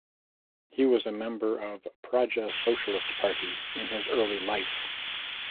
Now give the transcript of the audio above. He was member of Praja Socialist Party in his early life.